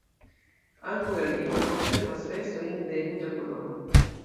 Ankaŭ la lipoj konservas restojn de ruĝa koloro.